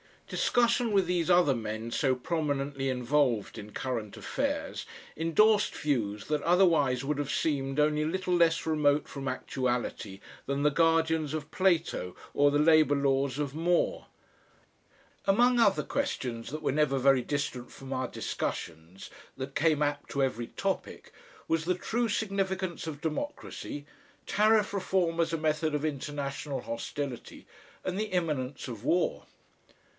Discussion with these other men so prominently involved in current affairs endorsed views that otherwise would have seemed only a little less remote from actuality than the guardians of Plato or the labour laws of More. Among other questions that were never very distant from our discussions, that came apt to every topic, was the true significance of democracy, Tariff Reform as a method of international hostility, and the imminence of war.